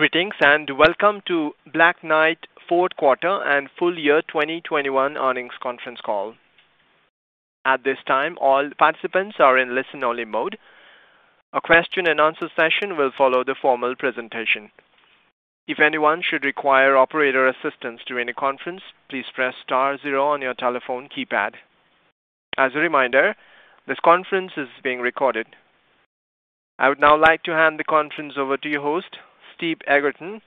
Greetings, and welcome to Black Knight fourth quarter and full year 2021 earnings conference call. At this time, all participants are in listen-only mode. A question and answer session will follow the formal presentation. If anyone should require operator assistance during the conference, please press star zero on your telephone keypad. As a reminder, this conference is being recorded. I would now like to hand the conference over to your host, Steve Eagerton,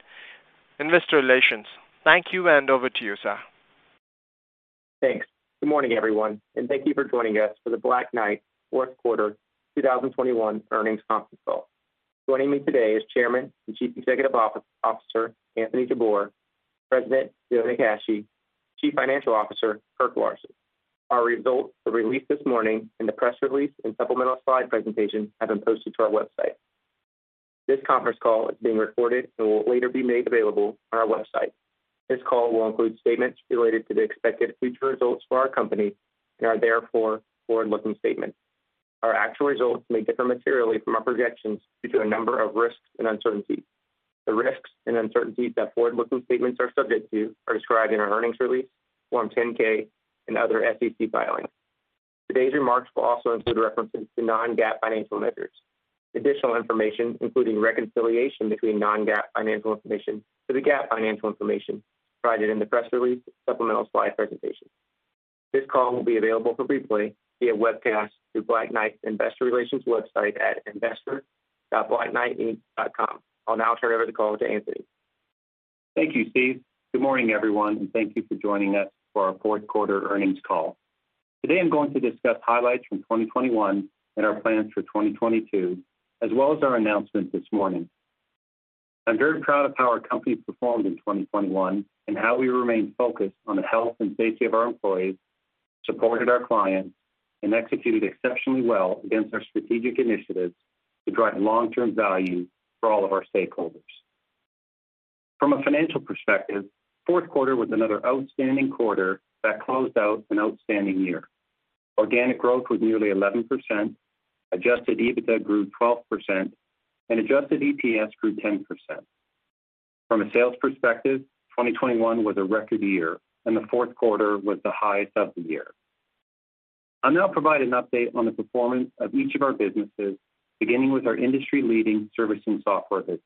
Investor Relations. Thank you, and over to you, sir. Thanks. Good morning, everyone, and thank you for joining us for the Black Knight fourth quarter 2021 earnings conference call. Joining me today is Chairman and Chief Executive Officer, Anthony Jabbour, President, Joe Nackashi, Chief Financial Officer, Kirk Larsen. Our results were released this morning in the press release and supplemental slide presentation have been posted to our website. This conference call is being recorded and will later be made available on our website. This call will include statements related to the expected future results for our company and are therefore forward-looking statements. Our actual results may differ materially from our projections due to a number of risks and uncertainties. The risks and uncertainties that forward-looking statements are subject to are described in our earnings release, Form 10-K, and other SEC filings. Today's remarks will also include references to non-GAAP financial measures. Additional information, including reconciliation between non-GAAP financial information to the GAAP financial information, provided in the press release supplemental slide presentation. This call will be available for replay via webcast through Black Knight's investor relations website at investor.blackknightinc.com. I'll now turn over the call to Anthony. Thank you, Steve. Good morning, everyone, and thank you for joining us for our fourth quarter earnings call. Today, I'm going to discuss highlights from 2021 and our plans for 2022, as well as our announcement this morning. I'm very proud of how our company performed in 2021 and how we remained focused on the health and safety of our employees, supported our clients, and executed exceptionally well against our strategic initiatives to drive long-term value for all of our stakeholders. From a financial perspective, fourth quarter was another outstanding quarter that closed out an outstanding year. Organic growth was nearly 11%, adjusted EBITDA grew 12%, and adjusted EPS grew 10%. From a sales perspective, 2021 was a record year, and the fourth quarter was the highest of the year. I'll now provide an update on the performance of each of our businesses, beginning with our industry-leading servicing software business.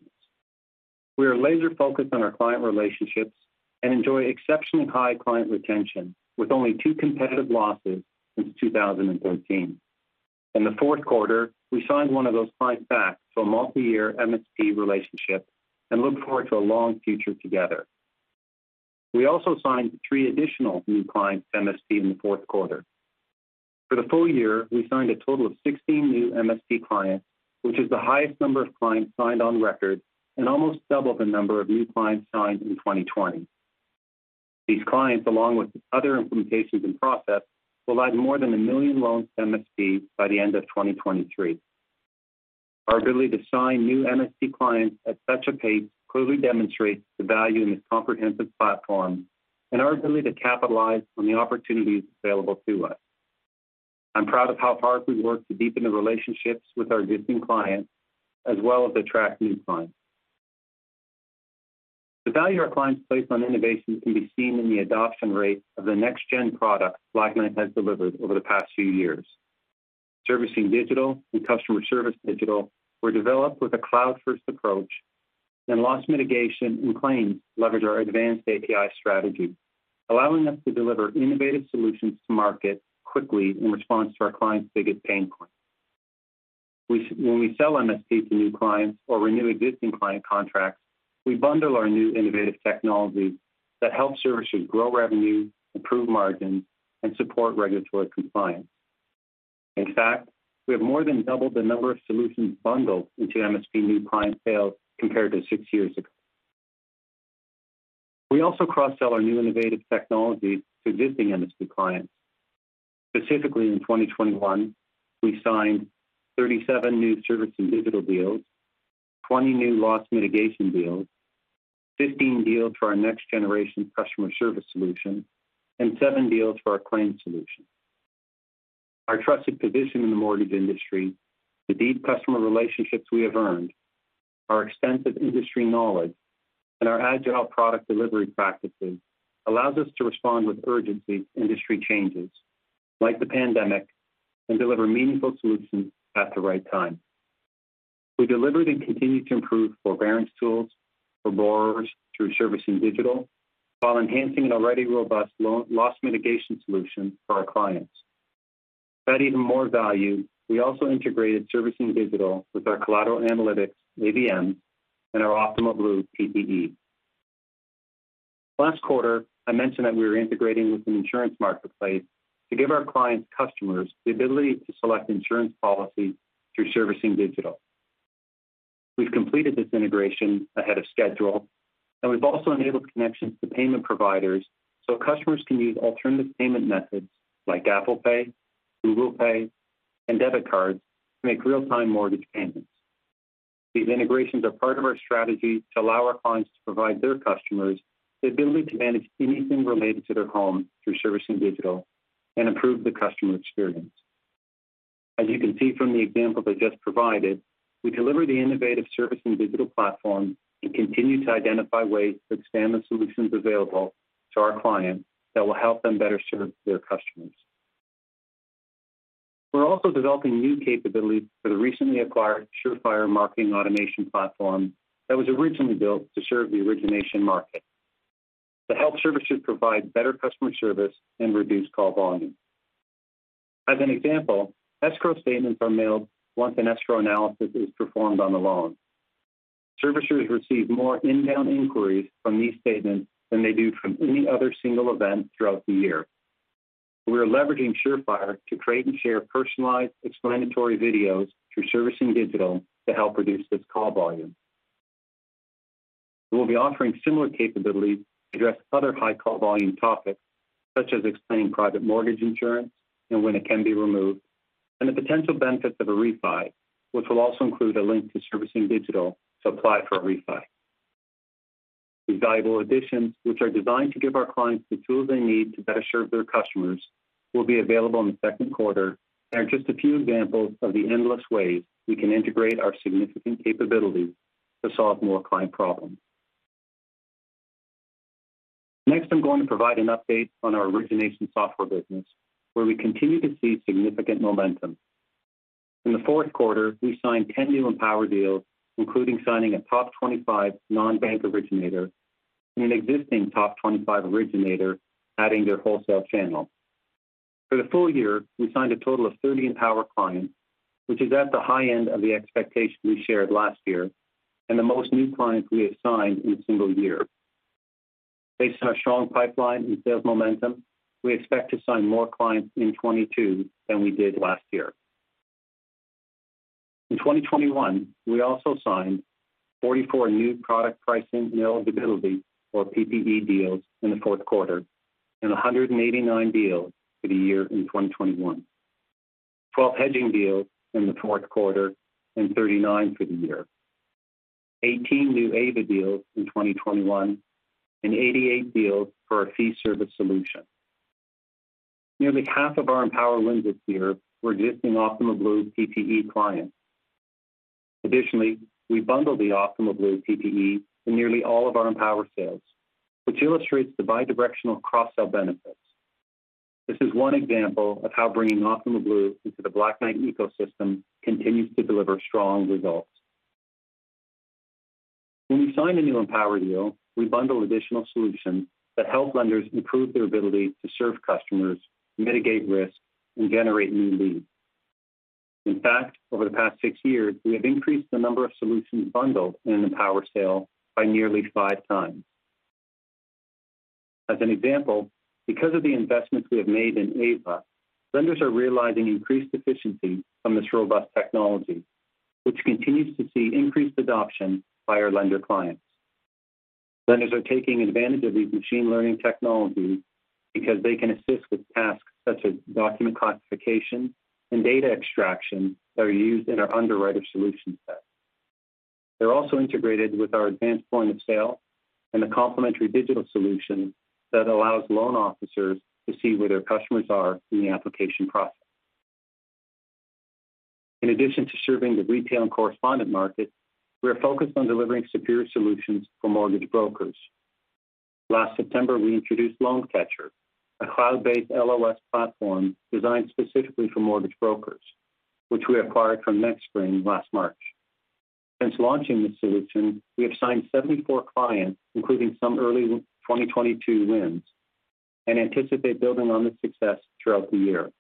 We are laser-focused on our client relationships and enjoy exceptionally high client retention, with only two competitive losses since 2013. In the fourth quarter, we signed one of those clients back to a multi-year MSP relationship and look forward to a long future together. We also signed three additional new clients to MSP in the fourth quarter. For the full year, we signed a total of 16 new MSP clients, which is the highest number of clients signed on record and almost double the number of new clients signed in 2020. These clients, along with other implementations in process, will add more than 1 million loans to MSP by the end of 2023. Our ability to sign new MSP clients at such a pace clearly demonstrates the value in this comprehensive platform and our ability to capitalize on the opportunities available to us. I'm proud of how hard we've worked to deepen the relationships with our existing clients, as well as attract new clients. The value our clients place on innovation can be seen in the adoption rate of the next gen products Black Knight has delivered over the past few years. Servicing Digital and Customer Service Digital were developed with a cloud-first approach, and Loss Mitigation and Claims leverage our advanced API strategy, allowing us to deliver innovative solutions to market quickly in response to our clients' biggest pain points. When we sell MSP to new clients or renew existing client contracts, we bundle our new innovative technologies that help servicers grow revenue, improve margins, and support regulatory compliance. In fact, we have more than doubled the number of solutions bundled into MSP new client sales compared to six years ago. We also cross-sell our new innovative technologies to existing MSP clients. Specifically, in 2021, we signed 37 new Servicing Digital deals, 20 new Loss Mitigation deals, 15 deals for our next generation Customer Service solution, and seven deals for our Claims solution. Our trusted position in the mortgage industry, the deep customer relationships we have earned, our extensive industry knowledge, and our agile product delivery practices allows us to respond with urgency to industry changes like the pandemic and deliver meaningful solutions at the right time. We delivered and continue to improve forbearance tools for borrowers through Servicing Digital while enhancing an already robust loss mitigation solution for our clients. To add even more value, we also integrated Servicing Digital with our collateral analytics, AVM, and our Optimal Blue PPE. Last quarter, I mentioned that we were integrating with an insurance marketplace to give our clients' customers the ability to select insurance policies through Servicing Digital. We've completed this integration ahead of schedule, and we've also enabled connections to payment providers so customers can use alternative payment methods like Apple Pay, Google Pay, and debit cards to make real-time mortgage payments. These integrations are part of our strategy to allow our clients to provide their customers the ability to manage anything related to their home through Servicing Digital and improve the customer experience. As you can see from the example I just provided, we deliver the innovative service and digital platform and continue to identify ways to expand the solutions available to our clients that will help them better serve their customers. We're also developing new capabilities for the recently acquired Surefire marketing automation platform that was originally built to serve the origination market. The help services provide better customer service and reduce call volume. As an example, escrow statements are mailed once an escrow analysis is performed on the loan. Servicers receive more inbound inquiries from these statements than they do from any other single event throughout the year. We are leveraging Surefire to create and share personalized explanatory videos through Servicing Digital to help reduce this call volume. We'll be offering similar capabilities to address other high call volume topics, such as explaining private mortgage insurance and when it can be removed, and the potential benefits of a refi, which will also include a link to Servicing Digital to apply for a refi. These valuable additions, which are designed to give our clients the tools they need to better serve their customers, will be available in the second quarter and are just a few examples of the endless ways we can integrate our significant capabilities to solve more client problems. Next, I'm going to provide an update on our origination software business, where we continue to see significant momentum. In the fourth quarter, we signed 10 new Empower deals, including signing a top 25 non-bank originator and an existing top 25 originator adding their wholesale channel. For the full year, we signed a total of 30 Empower clients, which is at the high end of the expectation we shared last year and the most new clients we have signed in a single year. Based on our strong pipeline and sales momentum, we expect to sign more clients in 2022 than we did last year. In 2021, we also signed 44 new product pricing and eligibility, or PPE, deals in the fourth quarter and 189 deals for the year in 2021. 12 hedging deals in the fourth quarter and 39 for the year. 18 new AIVA deals in 2021 and 88 deals for our fee service solution. Nearly half of our Empower wins this year were existing Optimal Blue PPE clients. Additionally, we bundle the Optimal Blue PPE in nearly all of our Empower sales, which illustrates the bi-directional cross-sell benefits. This is one example of how bringing Optimal Blue into the Black Knight ecosystem continues to deliver strong results. When we sign a new Empower deal, we bundle additional solutions that help lenders improve their ability to serve customers, mitigate risk, and generate new leads. In fact, over the past six years, we have increased the number of solutions bundled in an Empower sale by nearly five times. As an example, because of the investments we have made in AIVA, lenders are realizing increased efficiency from this robust technology, which continues to see increased adoption by our lender clients. Lenders are taking advantage of these machine learning technologies because they can assist with tasks such as document classification and data extraction that are used in our underwriter solution set. They're also integrated with our advanced point of sale and the complementary digital solution that allows loan officers to see where their customers are in the application process. In addition to serving the retail and correspondent market, we are focused on delivering superior solutions for mortgage brokers. Last September, we introduced LoanCatcher, a cloud-based LOS platform designed specifically for mortgage brokers, which we acquired from Nexpring last March. Since launching this solution, we have signed 74 clients, including some early 2022 wins, and anticipate building on this success throughout the year.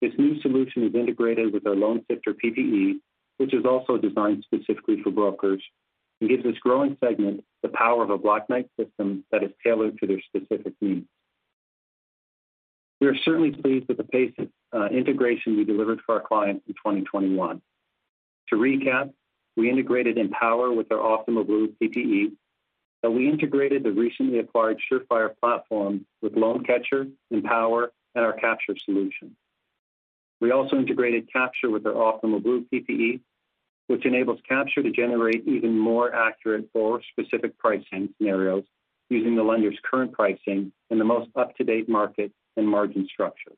This new solution is integrated with our Loansifter PPE, which is also designed specifically for brokers, and gives this growing segment the power of a Black Knight system that is tailored to their specific needs. We are certainly pleased with the pace of integration we delivered for our clients in 2021. To recap, we integrated Empower with our Optimal Blue PPE, and we integrated the recently acquired Surefire platform with LoanCatcher, Empower, and our Capture solution. We also integrated Capture with our Optimal Blue PPE, which enables Capture to generate even more accurate forecasts for specific pricing scenarios using the lender's current pricing and the most up-to-date market and margin structure.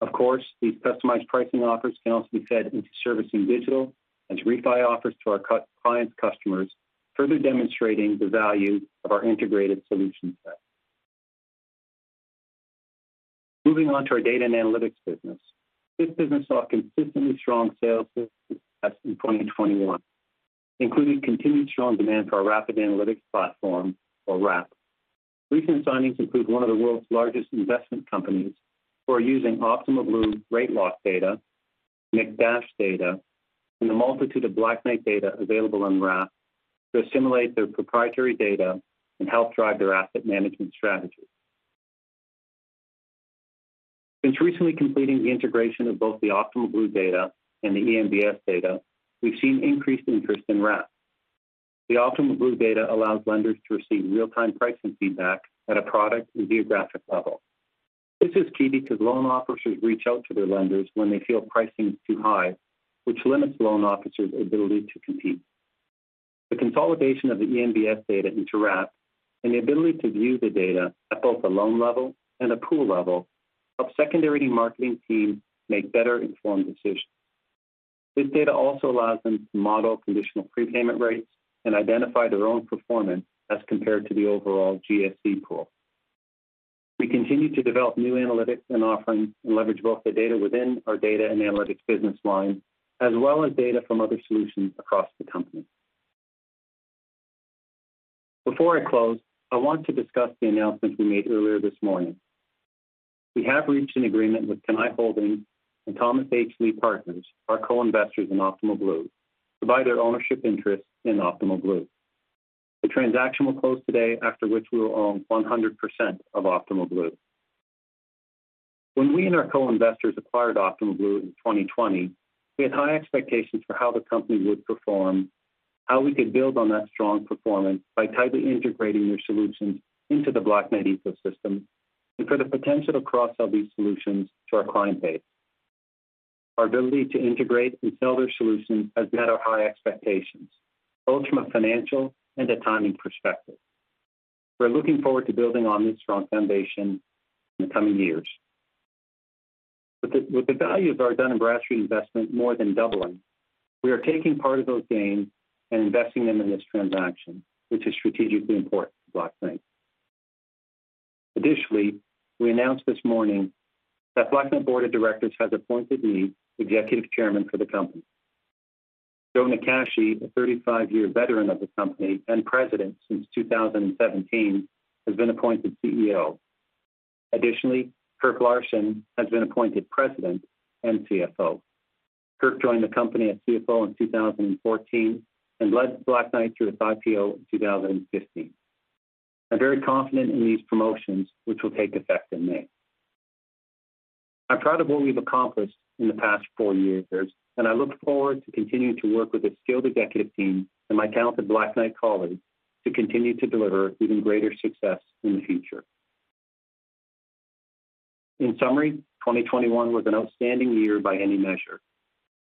Of course, these customized pricing offers can also be fed into Servicing Digital and to refi offers to our clients' customers, further demonstrating the value of our integrated solution set. Moving on to our data and analytics business. This business saw consistently strong sales in 2021, including continued strong demand for our Rapid Analytics Platform or RAP. Recent signings include one of the world's largest investment companies who are using Optimal Blue rate lock data, McDash data, and the multitude of Black Knight data available on RAP to assimilate their proprietary data and help drive their asset management strategy. Since recently completing the integration of both the Optimal Blue data and the eMBS data, we've seen increased interest in RAP. The Optimal Blue data allows lenders to receive real-time pricing feedback at a product and geographic level. This is key because loan officers reach out to their lenders when they feel pricing is too high, which limits loan officers' ability to compete. The consolidation of the eMBS data into RAP and the ability to view the data at both the loan level and the pool level helps secondary marketing teams make better informed decisions. This data also allows them to model conditional prepayment rates and identify their own performance as compared to the overall GSE pool. We continue to develop new analytics and offerings and leverage both the data within our data and analytics business lines, as well as data from other solutions across the company. Before I close, I want to discuss the announcement we made earlier this morning. We have reached an agreement with Cannae Holdings and Thomas H. Lee Partners, our co-investors in Optimal Blue, to buy their ownership interest in Optimal Blue. The transaction will close today, after which we will own 100% of Optimal Blue. When we and our co-investors acquired Optimal Blue in 2020, we had high expectations for how the company would perform, how we could build on that strong performance by tightly integrating their solutions into the Black Knight ecosystem, and for the potential to cross-sell these solutions to our client base. Our ability to integrate and sell their solutions has met our high expectations, both from a financial and a timing perspective. We're looking forward to building on this strong foundation in the coming years. With the value of our Dun & Bradstreet investment more than doubling, we are taking part of those gains and investing them in this transaction, which is strategically important to Black Knight. Additionally, we announced this morning that Black Knight's board of directors has appointed me Executive Chairman for the company. Joe Nackashi, a 35-year veteran of the company and President since 2017, has been appointed CEO. Additionally, Kirk Larsen has been appointed President and CFO. Kirk joined the company as CFO in 2014 and led Black Knight through its IPO in 2015. I'm very confident in these promotions, which will take effect in May. I'm proud of what we've accomplished in the past four years, and I look forward to continuing to work with a skilled executive team and my talented Black Knight colleagues to continue to deliver even greater success in the future. In summary, 2021 was an outstanding year by any measure.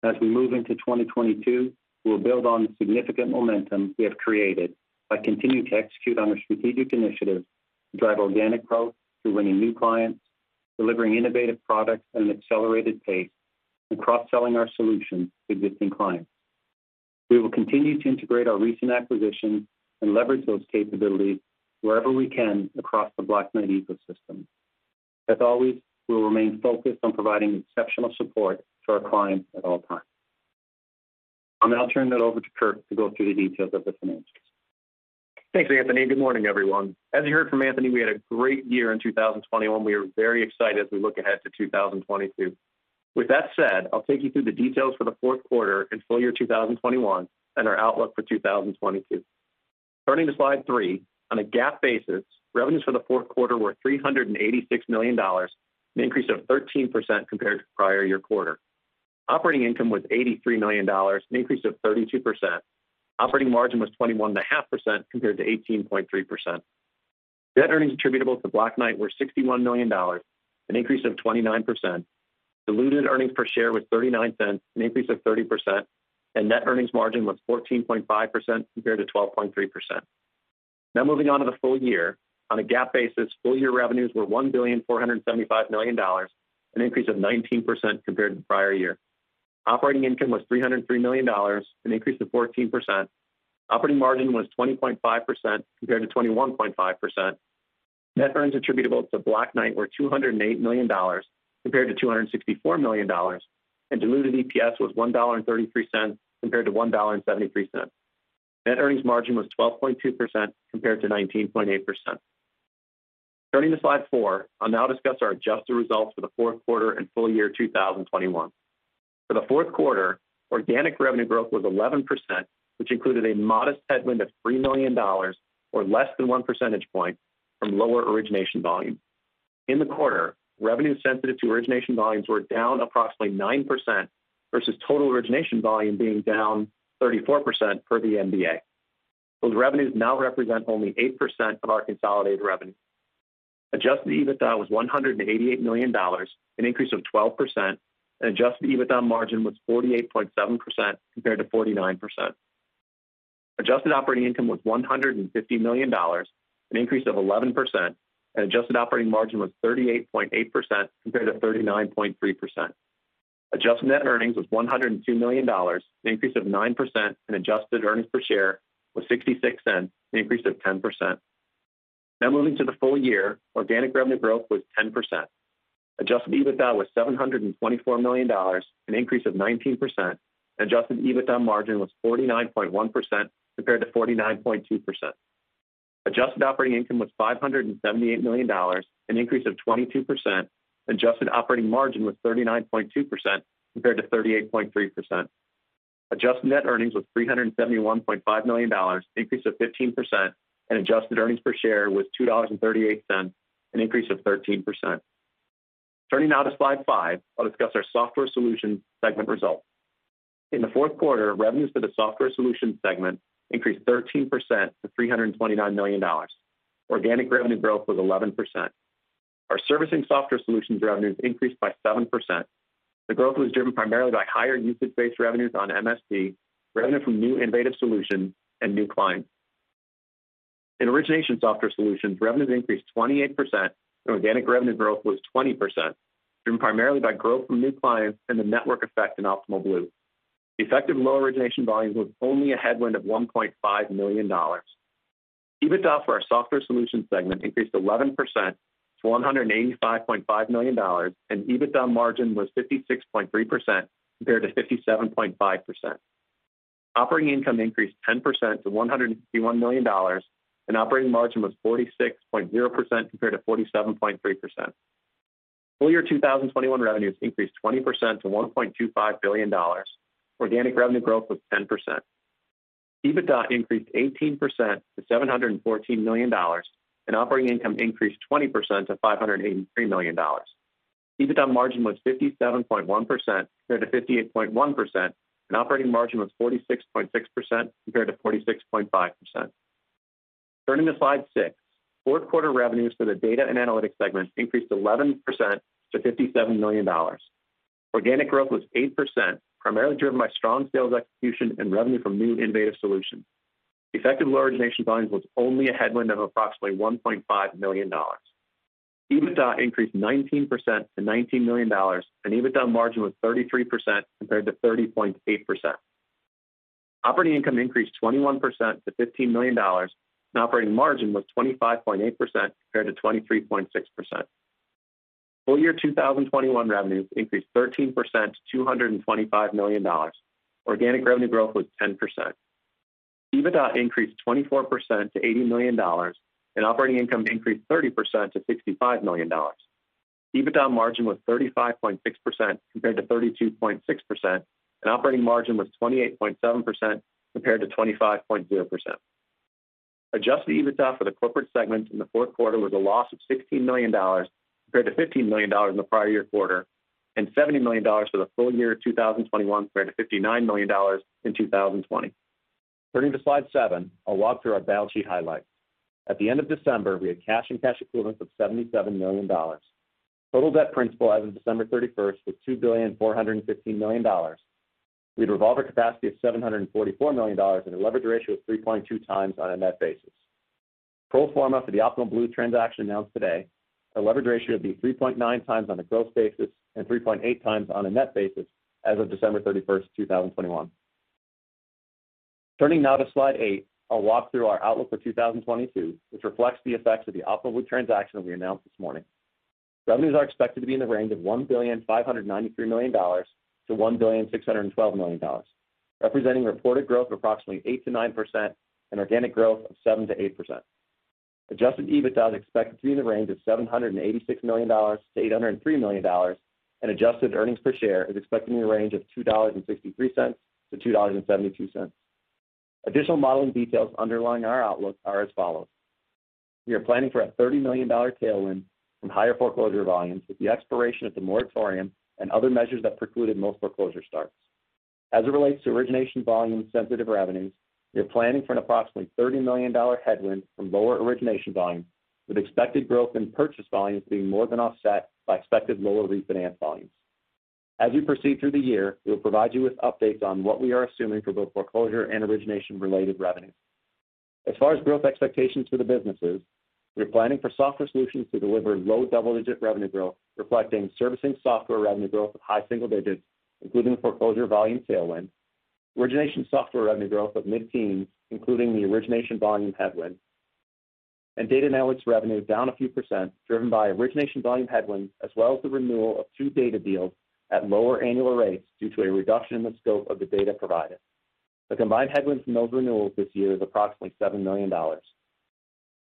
As we move into 2022, we'll build on the significant momentum we have created by continuing to execute on our strategic initiatives to drive organic growth through winning new clients, delivering innovative products at an accelerated pace, and cross-selling our solutions to existing clients. We will continue to integrate our recent acquisitions and leverage those capabilities wherever we can across the Black Knight ecosystem. As always, we'll remain focused on providing exceptional support to our clients at all times. I'll now turn it over to Kirk to go through the details of the financials. Thanks, Anthony. Good morning, everyone. As you heard from Anthony, we had a great year in 2021. We are very excited as we look ahead to 2022. With that said, I'll take you through the details for the fourth quarter and full year 2021 and our outlook for 2022. Turning to slide three. On a GAAP basis, revenues for the fourth quarter were $386 million, an increase of 13% compared to the prior year quarter. Operating income was $83 million, an increase of 32%. Operating margin was 21.5% compared to 18.3%. Net earnings attributable to Black Knight were $61 million, an increase of 29%. Diluted earnings per share was $0.39, a 30% increase, and net earnings margin was 14.5% compared to 12.3%. Now moving on to the full year. On a GAAP basis, full-year revenues were $1.475 billion, a 19% increase compared to the prior year. Operating income was $303 million, a 14% increase. Operating margin was 20.5% compared to 21.5%. Net earnings attributable to Black Knight were $208 million compared to $264 million, and diluted EPS was $1.33 compared to $1.73. Net earnings margin was 12.2% compared to 19.8%. Turning to slide four, I'll now discuss our adjusted results for the fourth quarter and full year 2021. For the fourth quarter, organic revenue growth was 11%, which included a modest headwind of $3 million or less than 1% point from lower origination volume. In the quarter, revenue sensitive to origination volumes were down approximately 9% versus total origination volume being down 34% per the MBA. Those revenues now represent only 8% of our consolidated revenue. Adjusted EBITDA was $188 million, an increase of 12%, and adjusted EBITDA margin was 48.7% compared to 49%. Adjusted operating income was $150 million, an increase of 11%, and adjusted operating margin was 38.8% compared to 39.3%. Adjusted net earnings was $102 million, an increase of 9%, and adjusted earnings per share was $0.66, an increase of 10%. Now moving to the full year, organic revenue growth was 10%. Adjusted EBITDA was $724 million, an increase of 19%, and adjusted EBITDA margin was 49.1% compared to 49.2%. Adjusted operating income was $578 million, an increase of 22%, and adjusted operating margin was 39.2% compared to 38.3%. Adjusted net earnings was $371.5 million, an increase of 15%, and adjusted earnings per share was $2.38, an increase of 13%. Turning now to slide five, I'll discuss our software solutions segment results. In the fourth quarter, revenues for the software solutions segment increased 13% to $329 million. Organic revenue growth was 11%. Our servicing software solutions revenues increased by 7%. The growth was driven primarily by higher usage-based revenues on MSP, revenue from new innovative solutions, and new clients. In origination software solutions, revenues increased 28%, and organic revenue growth was 20%, driven primarily by growth from new clients and the network effect in Optimal Blue. The effect of low origination volumes was only a headwind of $1.5 million. EBITDA for our software solutions segment increased 11% to $185.5 million, and EBITDA margin was 56.3% compared to 57.5%. Operating income increased 10% to $151 million, and operating margin was 46.0% compared to 47.3%. Full year 2021 revenues increased 20% to $1.25 billion. Organic revenue growth was 10%. EBITDA increased 18% to $714 million, and operating income increased 20% to $583 million. EBITDA margin was 57.1% compared to 58.1%, and operating margin was 46.6% compared to 46.5%. Turning to slide 6. Fourth quarter revenues for the data and analytics segment increased 11% to $57 million. Organic growth was 8%, primarily driven by strong sales execution and revenue from new innovative solutions. The effect of lower origination volumes was only a headwind of approximately $1.5 million. EBITDA increased 19% to $19 million, and EBITDA margin was 33% compared to 30.8%. Operating income increased 21% to $15 million, and operating margin was 25.8% compared to 23.6%. Full year 2021 revenues increased 13% to $225 million. Organic revenue growth was 10%. EBITDA increased 24% to $80 million, and operating income increased 30% to $65 million. EBITDA margin was 35.6% compared to 32.6%, and operating margin was 28.7% compared to 25.0%. Adjusted EBITDA for the corporate segment in the fourth quarter was a loss of $16 million compared to $15 million in the prior year quarter, and $70 million for the full year 2021 compared to $59 million in 2020. Turning to slide seven, I'll walk through our balance sheet highlights. At the end of December, we had cash and cash equivalents of $77 million. Total debt principal as of December 31 was $2.415 billion, with revolver capacity of $744 million, and a leverage ratio of 3.2x on a net basis. Pro forma for the Optimal Blue transaction announced today, our leverage ratio will be 3.9x on a gross basis and 3.8x on a net basis as of December 31, 2021. Turning now to slide eight. I'll walk through our outlook for 2022, which reflects the effects of the Optimal Blue transaction we announced this morning. Revenues are expected to be in the range of $1.593 billion-$1.612 billion, representing reported growth of approximately 8%-9% and organic growth of 7%-8%. Adjusted EBITDA is expected to be in the range of $786 million-$803 million, and adjusted earnings per share is expected in the range of $2.63-$2.72. Additional modeling details underlying our outlook are as follows. We are planning for a $30 million tailwind from higher foreclosure volumes with the expiration of the moratorium and other measures that precluded most foreclosure starts. As it relates to origination volume sensitive revenues, we are planning for an approximately $30 million headwind from lower origination volumes, with expected growth in purchase volumes being more than offset by expected lower refinance volumes. As we proceed through the year, we'll provide you with updates on what we are assuming for both foreclosure and origination-related revenues. As far as growth expectations for the businesses, we are planning for software solutions to deliver low double-digit revenue growth, reflecting servicing software revenue growth of high single digits, including the foreclosure volume tailwind, origination software revenue growth of mid-teens, including the origination volume headwind, and data and analytics revenue down a few%, driven by origination volume headwinds, as well as the renewal of two data deals at lower annual rates due to a reduction in the scope of the data provided. The combined headwinds from those renewals this year is approximately $7 million.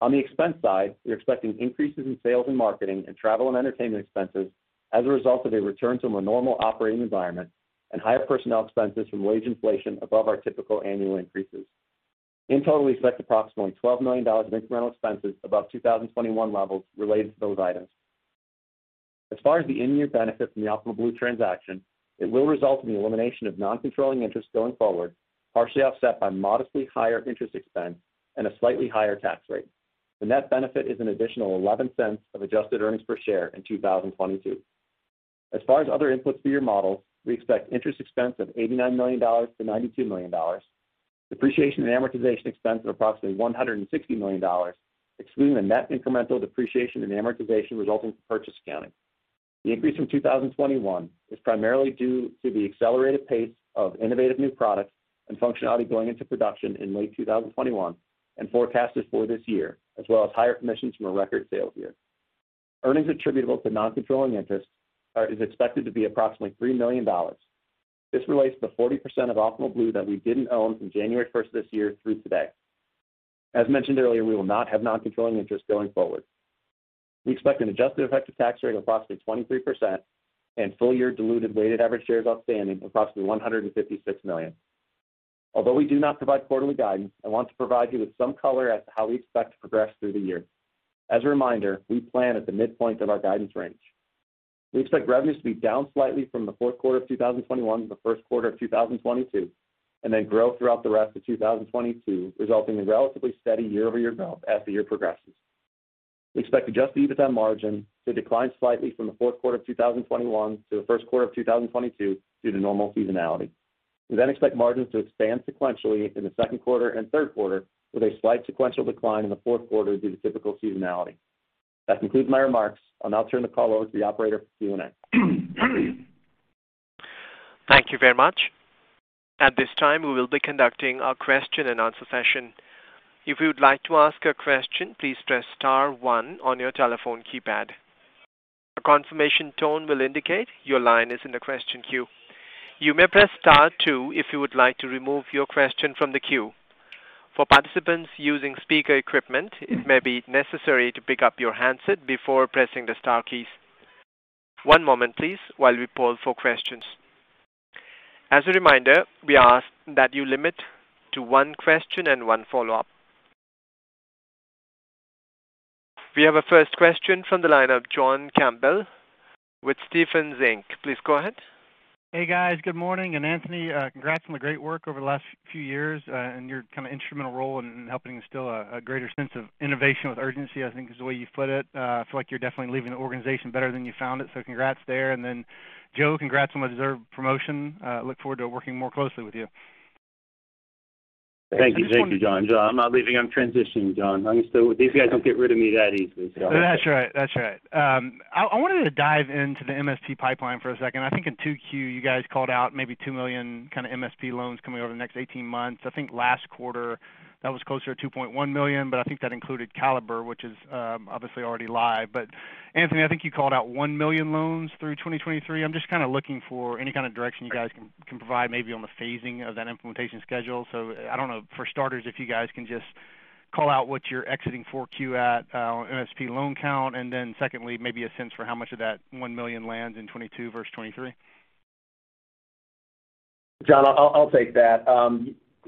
On the expense side, we're expecting increases in sales and marketing and travel and entertainment expenses as a result of a return to a more normal operating environment and higher personnel expenses from wage inflation above our typical annual increases. In total, we expect approximately $12 million of incremental expenses above 2021 levels related to those items. As far as the in-year benefit from the Optimal Blue transaction, it will result in the elimination of non-controlling interest going forward, partially offset by modestly higher interest expense and a slightly higher tax rate. The net benefit is an additional 11 cents of adjusted earnings per share in 2022. As far as other inputs to your models, we expect interest expense of $89 million-$92 million. Depreciation and amortization expense of approximately $160 million, excluding the net incremental depreciation and amortization resulting from purchase accounting. The increase from 2021 is primarily due to the accelerated pace of innovative new products and functionality going into production in late 2021 and forecasted for this year, as well as higher commissions from a record sales year. Earnings attributable to non-controlling interest is expected to be approximately $3 million. This relates to the 40% of Optimal Blue that we didn't own from January 1 this year through today. As mentioned earlier, we will not have non-controlling interest going forward. We expect an adjusted effective tax rate of approximately 23% and full year diluted weighted average shares outstanding of approximately 156 million. Although we do not provide quarterly guidance, I want to provide you with some color as to how we expect to progress through the year. As a reminder, we plan at the midpoint of our guidance range. We expect revenues to be down slightly from the fourth quarter of 2021 to the first quarter of 2022, and then grow throughout the rest of 2022, resulting in relatively steady year-over-year growth as the year progresses. We expect adjusted EBITDA margin to decline slightly from the fourth quarter of 2021 to the first quarter of 2022 due to normal seasonality. We then expect margins to expand sequentially in the second quarter and third quarter, with a slight sequential decline in the fourth quarter due to typical seasonality. That concludes my remarks. I'll now turn the call over to the operator for Q&A. Thank you very much. At this time, we will be conducting our question and answer session. If you would like to ask a question, please press star one on your telephone keypad. A confirmation tone will indicate your line is in the question queue. You may press star two if you would like to remove your question from the queue. For participants using speaker equipment, it may be necessary to pick up your handset before pressing the star keys. One moment, please, while we poll for questions. As a reminder, we ask that you limit to one question and one follow-up. We have a first question from the line of John Campbell with Stephens Inc. Please go ahead. Hey, guys. Good morning. Anthony, congrats on the great work over the last few years, and your kind of instrumental role in helping instill a greater sense of innovation with urgency, I think, is the way you put it. I feel like you're definitely leaving the organization better than you found it, so congrats there. Joe, congrats on the deserved promotion. I look forward to working more closely with you. Thank you. Thank you, John. John, I'm not leaving. I'm transitioning, John. These guys don't get rid of me that easily, so. That's right. I wanted to dive into the MSP pipeline for a second. I think in 2Q, you guys called out maybe 2 million kind of MSP loans coming over the next 18 months. I think last quarter that was closer to 2.1 million, but I think that included Caliber, which is, obviously already live. Anthony, I think you called out 1 million loans through 2023. I'm just kind of looking for any kind of direction you guys can provide maybe on the phasing of that implementation schedule. I don't know, for starters, if you guys can just call out what you're exiting 4Q at, on MSP loan count. Then secondly, maybe a sense for how much of that 1 million lands in 2022 versus 2023. John, I'll take that. Yeah,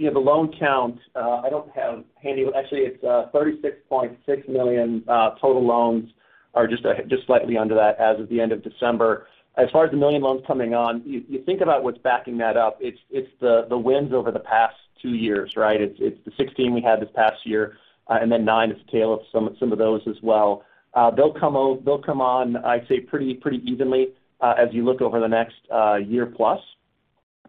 the loan count, I don't have handy. Actually, it's 36.6 million, total loans are just slightly under that as of the end of December. As far as the 1 million loans coming on, you think about what's backing that up, it's the wins over the past two years, right? It's the 16 we had this past year, and then nine is the tail of some of those as well. They'll come on, I'd say, pretty evenly as you look over the next year plus.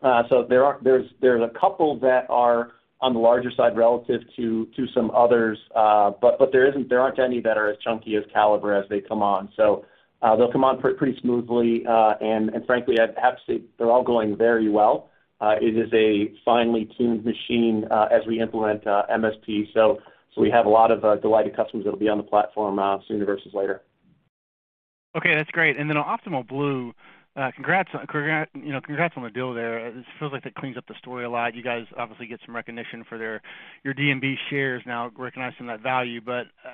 So there's a couple that are on the larger side relative to some others. But there aren't any that are as chunky as Caliber as they come on. They'll come on pretty smoothly. And frankly, I have to say they're all going very well. It is a finely tuned machine as we implement MSP. We have a lot of delighted customers that'll be on the platform sooner versus later. Okay, that's great. Then on Optimal Blue, congrats, you know, on the deal there. It feels like that cleans up the story a lot. You guys obviously get some recognition for your D&B shares now recognizing that value.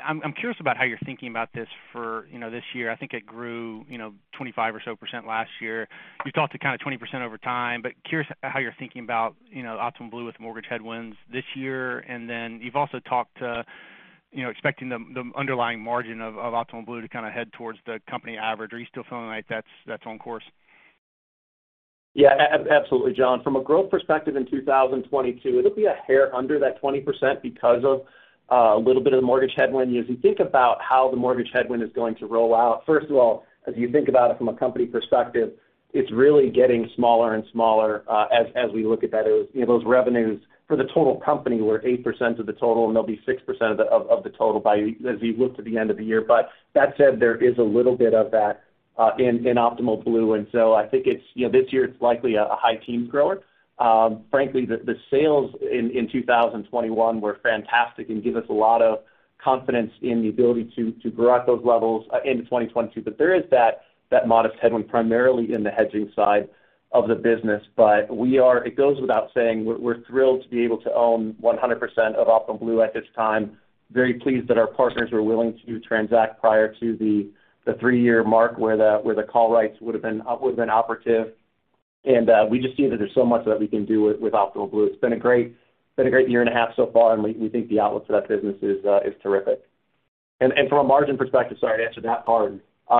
I'm curious about how you're thinking about this for, you know, this year. I think it grew, you know, 25% or so last year. You talked to kind of 20% over time, but curious how you're thinking about, you know, Optimal Blue with mortgage headwinds this year. Then you've also talked to, you know, expecting the underlying margin of Optimal Blue to kind of head towards the company average. Are you still feeling like that's on course? Yeah. Absolutely, John. From a growth perspective in 2022, it'll be a hair under that 20% because of a little bit of the mortgage headwind. As you think about how the mortgage headwind is going to roll out, first of all, as you think about it from a company perspective, it's really getting smaller and smaller as we look at that. It was, you know, those revenues for the total company were 8% of the total, and they'll be 6% of the total as we look to the end of the year. That said, there is a little bit of that in Optimal Blue. I think it's, you know, this year it's likely a high teen grower. Frankly, the sales in 2021 were fantastic and give us a lot of confidence in the ability to grow at those levels into 2022. There is that modest headwind primarily in the hedging side of the business. It goes without saying we're thrilled to be able to own 100% of Optimal Blue at this time. Very pleased that our partners were willing to transact prior to the three-year mark where the call rights would have been operative. We just see that there's so much that we can do with Optimal Blue. It's been a great year and a half so far, and we think the outlook for that business is terrific. From a margin perspective, sorry to answer that part,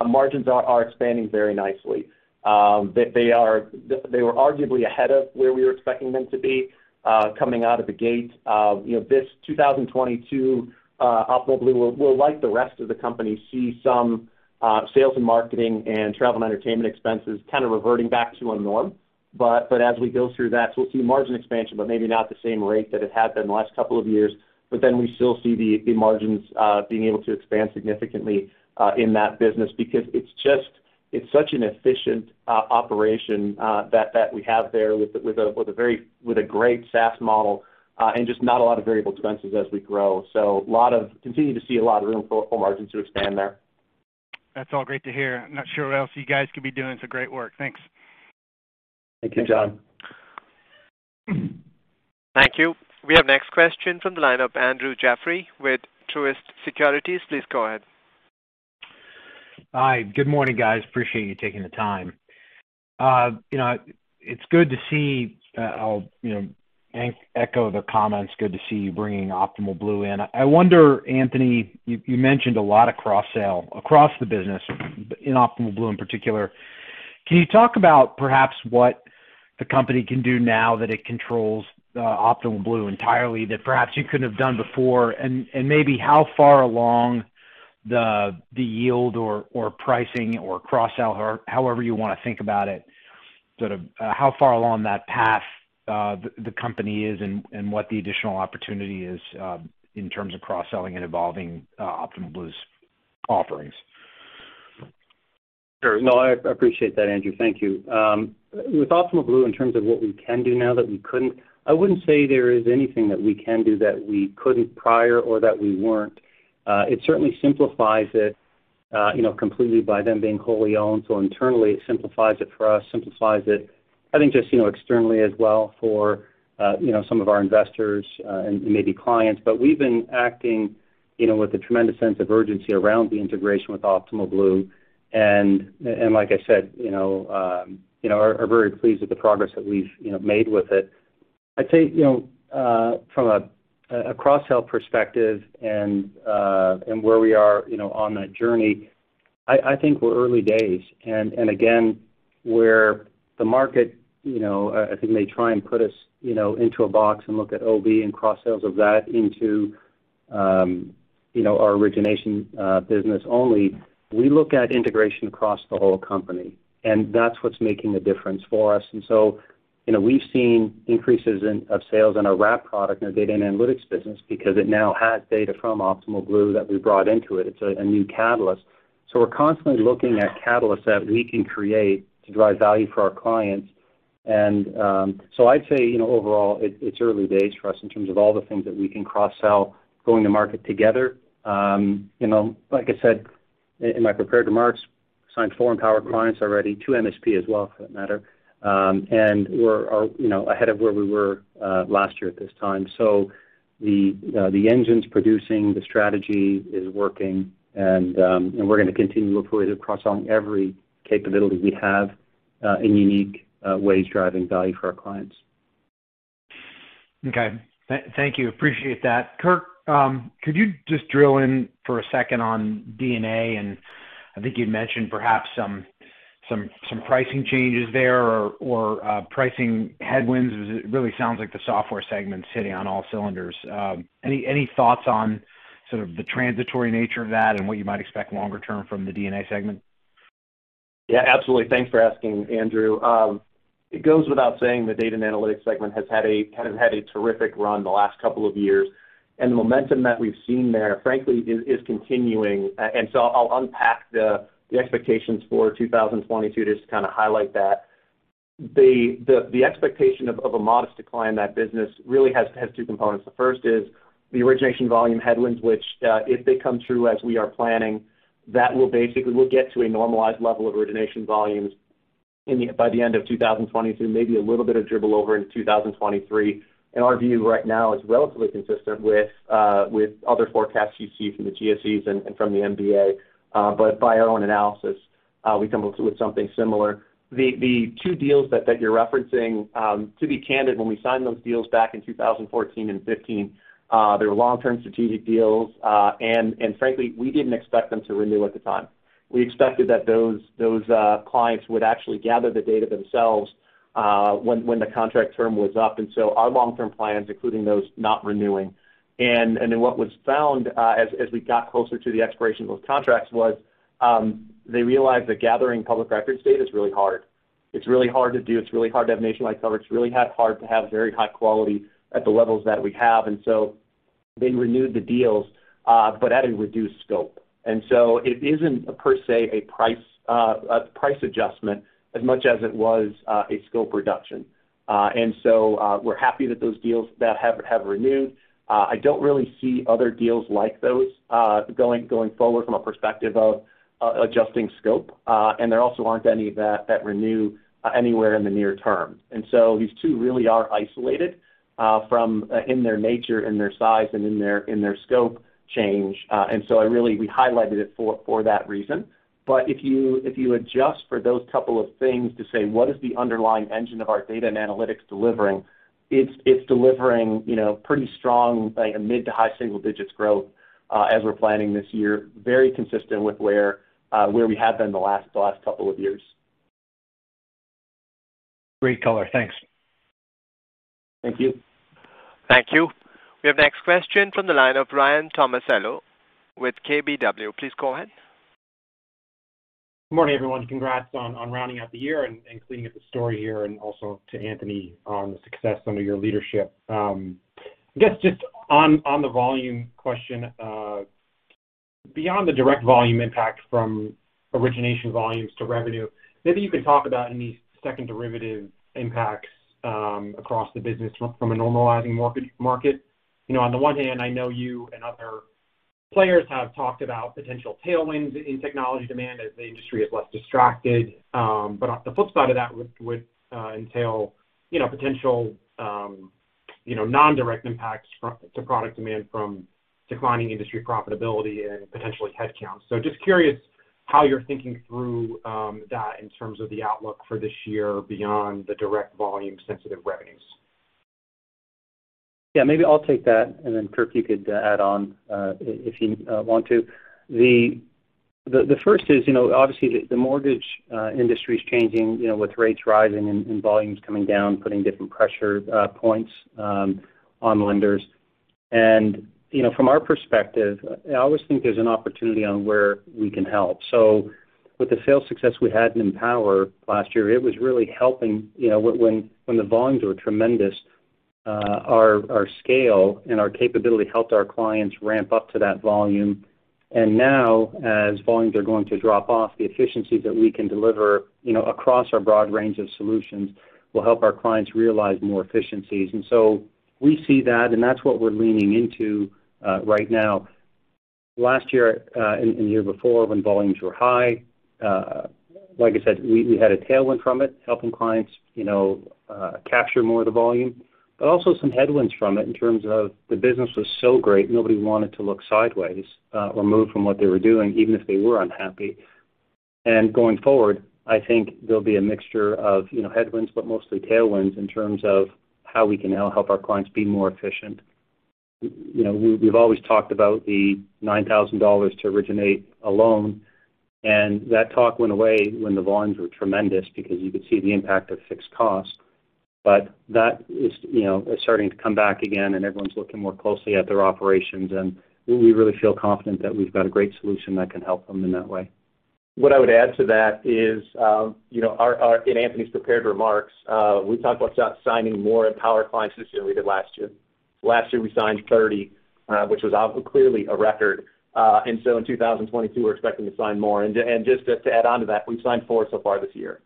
margins are expanding very nicely. They were arguably ahead of where we were expecting them to be, coming out of the gate. You know, in 2022, Optimal Blue will, like the rest of the company, see some sales and marketing and travel and entertainment expenses kind of reverting back to a norm. As we go through that, we'll see margin expansion, but maybe not the same rate that it had been the last couple of years. We still see the margins being able to expand significantly in that business because it's such an efficient operation that we have there with a great SaaS model and just not a lot of variable expenses as we grow. We continue to see a lot of room for margin to expand there. That's all great to hear. I'm not sure what else you guys could be doing, so great work. Thanks. Thank you, John. Thank you. We have next question from the line of Andrew Jeffrey with Truist Securities. Please go ahead. Hi. Good morning, guys. Appreciate you taking the time. You know, it's good to see you know and echo the comments, good to see you bringing Optimal Blue in. I wonder, Anthony, you mentioned a lot of cross-sell across the business, but in Optimal Blue in particular. Can you talk about perhaps what the company can do now that it controls Optimal Blue entirely that perhaps you couldn't have done before? Maybe how far along the yield or pricing or cross-sell or however you wanna think about it, sort of how far along that path the company is and what the additional opportunity is in terms of cross-selling and evolving Optimal Blue's offerings. Sure. No, I appreciate that, Andrew. Thank you. With Optimal Blue, in terms of what we can do now that we couldn't, I wouldn't say there is anything that we can do that we couldn't prior or that we weren't. It certainly simplifies it, you know, completely by them being wholly owned. Internally, it simplifies it for us. I think just, you know, externally as well for, you know, some of our investors and maybe clients. We've been acting, you know, with a tremendous sense of urgency around the integration with Optimal Blue. Like I said, you know, we are very pleased with the progress that we've, you know, made with it. I'd say, you know, from a cross-sell perspective and where we are, you know, on that journey, I think we're early days. Again, where the market, you know, I think may try and put us, you know, into a box and look at OB and cross-sells of that into, you know, our origination business only, we look at integration across the whole company, and that's what's making a difference for us. You know, we've seen increases in sales in our wrap product and our data and analytics business because it now has data from Optimal Blue that we brought into it. It's a new catalyst. We're constantly looking at catalysts that we can create to drive value for our clients. I'd say, you know, overall, it's early days for us in terms of all the things that we can cross-sell going to market together. You know, like I said in my prepared remarks, we signed four Empower clients already, 2 MSP as well for that matter. You know, we're ahead of where we were last year at this time. The engine's producing, the strategy is working, and we're gonna continue to deploy it across on every capability we have in unique ways driving value for our clients. Okay. Thank you. Appreciate that. Kirk, could you just drill in for a second on DNA? I think you'd mentioned perhaps some pricing changes there or pricing headwinds. It really sounds like the software segment's hitting on all cylinders. Any thoughts on sort of the transitory nature of that and what you might expect longer term from the DNA segment? Yeah, absolutely. Thanks for asking, Andrew. It goes without saying the data and analytics segment has had a terrific run the last couple of years. The momentum that we've seen there, frankly, is continuing. I'll unpack the expectations for 2022 just to kind of highlight that. The expectation of a modest decline in that business really has two components. The first is the origination volume headwinds, which, if they come through as we are planning, we'll basically get to a normalized level of origination volumes by the end of 2022, maybe a little bit of dribble over into 2023. Our view right now is relatively consistent with other forecasts you see from the GSEs and from the MBA. By our own analysis, we come up with something similar. The two deals that you're referencing, to be candid, when we signed those deals back in 2014 and 2015, they were long-term strategic deals. Frankly, we didn't expect them to renew at the time. We expected that those clients would actually gather the data themselves, when the contract term was up. Our long-term plans, including those not renewing. Then what was found, as we got closer to the expiration of those contracts was, they realized that gathering public records data is really hard. It's really hard to do. It's really hard to have nationwide coverage. It's really hard to have very high quality at the levels that we have. They renewed the deals, but at a reduced scope. It isn't per se a price adjustment as much as it was a scope reduction. We're happy that those deals have renewed. I don't really see other deals like those going forward from a perspective of adjusting scope. There also aren't any that renew anywhere in the near term. These two really are isolated in their nature, in their size, and in their scope change. We highlighted it for that reason. If you adjust for those couple of things to say, what is the underlying engine of our data and analytics delivering? It's delivering, you know, pretty strong, like a mid- to high-single-digits growth as we're planning this year, very consistent with where we have been the last couple of years. Great color. Thanks. Thank you. Thank you. We have next question from the line of Ryan Tomasello with KBW. Please go ahead. Good morning, everyone. Congrats on rounding out the year and cleaning up the story here, and also to Anthony on the success under your leadership. I guess just on the volume question, beyond the direct volume impact from origination volumes to revenue, maybe you can talk about any second derivative impacts across the business from a normalizing mortgage market. You know, on the one hand, I know you and other players have talked about potential tailwinds in technology demand as the industry is less distracted. On the flip side of that would entail, you know, potential non-direct impacts to product demand from declining industry profitability and potentially headcounts. Just curious how you're thinking through that in terms of the outlook for this year beyond the direct volume-sensitive revenues. Yeah, maybe I'll take that, and then Kirk, you could add on, if you want to. The first is, you know, obviously the mortgage industry is changing, you know, with rates rising and volumes coming down, putting different pressure points on lenders. You know, from our perspective, I always think there's an opportunity on where we can help. With the sales success we had in Empower last year, it was really helping, you know, when the volumes were tremendous, our scale and our capability helped our clients ramp up to that volume. Now, as volumes are going to drop off, the efficiencies that we can deliver, you know, across our broad range of solutions will help our clients realize more efficiencies. We see that, and that's what we're leaning into right now. Last year, and the year before when volumes were high, like I said, we had a tailwind from it, helping clients, you know, capture more of the volume, but also some headwinds from it in terms of the business was so great, nobody wanted to look sideways, or move from what they were doing, even if they were unhappy. Going forward, I think there'll be a mixture of, you know, headwinds, but mostly tailwinds in terms of how we can now help our clients be more efficient. You know, we've always talked about the $9,000 to originate a loan, and that talk went away when the volumes were tremendous because you could see the impact of fixed costs. That is, you know, is starting to come back again and everyone's looking more closely at their operations. We really feel confident that we've got a great solution that can help them in that way. What I would add to that is, you know, or in Anthony's prepared remarks, we talked about signing more Empower clients this year than we did last year. Last year, we signed 30, which was obviously clearly a record. In 2022, we're expecting to sign more. Just to add onto that, we've signed four so far this year.